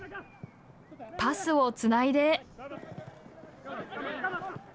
パスをつないで。